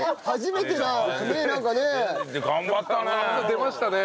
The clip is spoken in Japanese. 出ましたね。